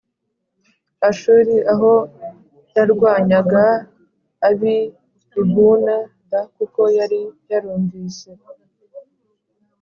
Ashuri aho yarwanyaga ab i Libuna d kuko yari yarumvise